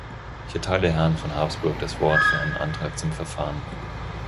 Ich erteile Herrn von Habsburg das Wort für einen Antrag zum Verfahren.